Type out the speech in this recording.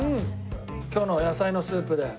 今日の野菜のスープで。